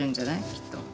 きっと。